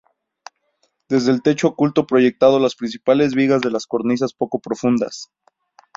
Desde el techo oculto proyectado las principales vigas de las cornisas poco profundas.